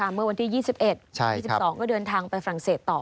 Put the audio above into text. เมื่อวันที่๒๑๒๒ก็เดินทางไปฝรั่งเศสต่อ